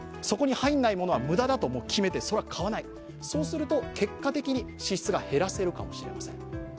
そこに入らないものは無駄だと決めて買わない、そうすると結果的に支出が減らせるかもしれません。